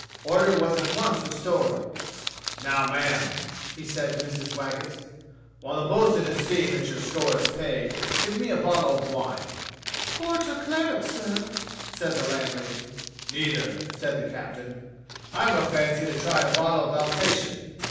Order was at once restored. "Now, ma'am," he said to Mrs. Wag getts, "while the bo'sun is seeing that your score is paid, give me a bottle of wine." "Port or claret, sir?" said the landlady. "Neither," said the captain. "I have a fancy to try a bottle of Alsatian.